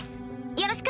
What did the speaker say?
よろしく！